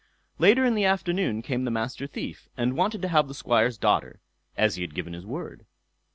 Later in the afternoon came the Master Thief, and wanted to have the Squire's daughter, as he had given his word.